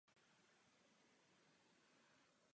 Jeho otcem byl chudý venkovský učitel.